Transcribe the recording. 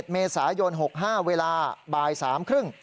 ๑๗เมษายน๖๕เวลาบ่ายสามครึ่ง